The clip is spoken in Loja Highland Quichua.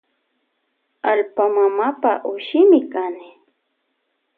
Allpa mamapa ushimi kani.